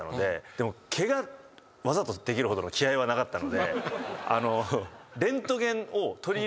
でもケガわざとできるほどの気合はなかったので。